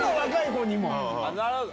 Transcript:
なるほど。